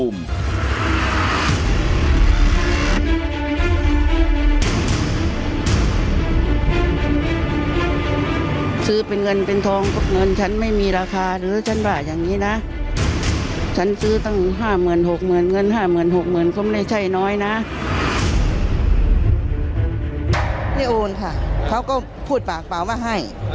มันเปิดปากกับภาคภูมิ